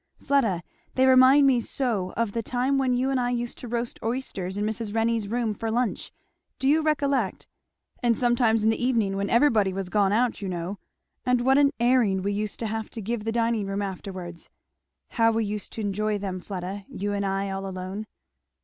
"Fleda, they remind me so of the time when you and I used to roast oysters in Mrs. Renney's room for lunch do you recollect? and sometimes in the evening when everybody was gone out, you know; and what an airing we used to have to give the dining room afterwards. How we used to enjoy them, Fleda you and I all alone."